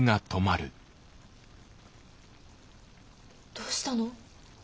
どうしたの？